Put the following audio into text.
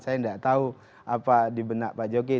saya nggak tahu apa dibenak pak jokowi